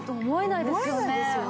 思えないですよね。